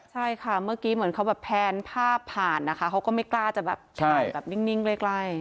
ใช่ค่ะเมื่อกี้เหมือนเขาแบบแพนภาพผ่านนะคะเขาก็ไม่กล้าจะแบบถ่ายแบบนิ่งใกล้